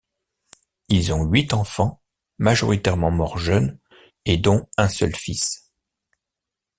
Ils ont huit enfants, majoritairement morts jeunes et dont un seul fils.